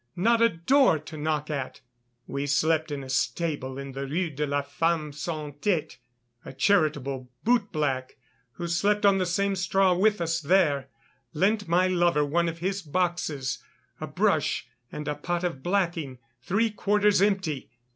Not a door to knock at. We slept in a stable in the Rue de la Femme sans tête. A charitable bootblack, who slept on the same straw with us there, lent my lover one of his boxes, a brush and a pot of blacking three quarters empty.